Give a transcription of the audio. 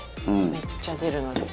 めっちゃ出るので。